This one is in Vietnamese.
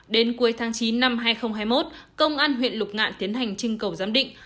đến cuối tháng chín năm hai nghìn hai mươi một công an huyện lục ngạn tiến hành trưng cầu giám định